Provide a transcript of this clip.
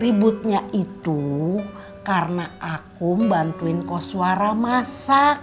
ributnya itu karena akum bantuin koswara masak